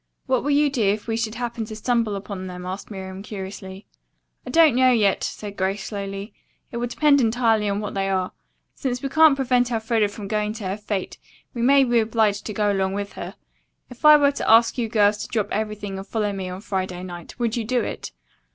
"What will you do if we should happen to stumble upon them?" asked Miriam curiously. "I don't know, yet," said Grace slowly. "It will depend entirely on what they are. Since we can't prevent Elfreda from going to her fate, we may be obliged to go along with her. If I were to ask you girls to drop everything and follow me on Friday night, would you do it?"